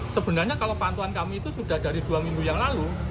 sebenarnya kalau pantuan kami itu sudah dari dua minggu yang lalu